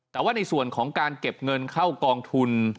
แต่ว่าในส่วนของการเก็บเงินเข้ากองทุน